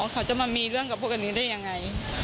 เขาจะมามีเรื่องกับพวกอันนี้ได้ยังไง